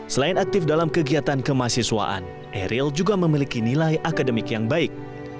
selain aktif dalam kegiatan kemahasiswaan eril juga memiliki nilai akademik yang baik